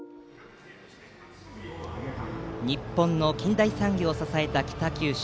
日本の近代産業を支えた北九州。